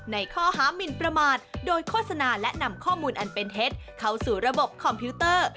ในข้อหามินประมาทโดยโฆษณาและนำข้อมูลอันเป็นเท็จเข้าสู่ระบบคอมพิวเตอร์